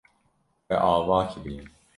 Te ava kiriye.